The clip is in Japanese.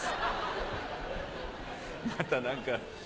また何か。